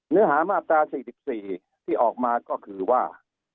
เนื้อหามาตรา๔๔ที่ออกมาก็คือว่า